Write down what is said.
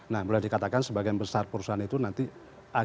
nah boleh dikatakan sebagian besar perusahaan itu nanti ada yang bisa